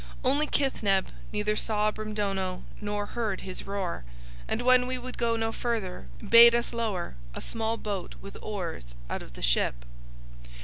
"Only Kithneb neither saw Brimdono nor heard his roar, and when we would go no further bade us lower a small boat with oars out of the ship.